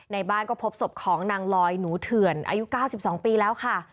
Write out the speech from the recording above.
ในบ้านก็พบศพของนางลอยหนูเถื่อนอายุ๙๒ปีแล้วค่ะ